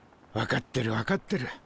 分かってる分かってる。